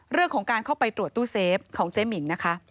เรื่องของการเข้าไปตรวจตู้เซฟของเจ๊หมิ่งนะคะ